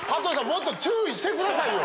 もっと注意してくださいよ！